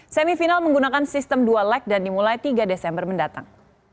semifinal menggunakan sistem dua leg dan dimulai tiga desember mendatang